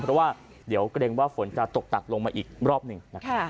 เพราะว่าเดี๋ยวเกรงว่าฝนจะตกตักลงมาอีกรอบหนึ่ง